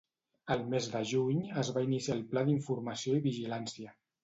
El mes de juny es va iniciar el Pla d'Informació i Vigilància